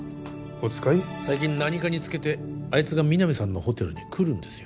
最近何かにつけてあいつが皆実さんのホテルに来るんですよ